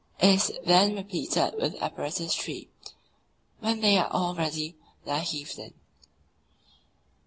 It is then repeated with Apparatus III. When they are all ready, they are heaved in.